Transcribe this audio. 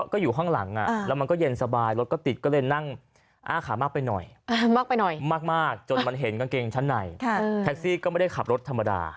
คือคุณจะถ่ายอย่างนี้ทำไม